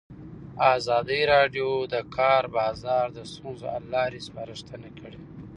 ازادي راډیو د د کار بازار د ستونزو حل لارې سپارښتنې کړي.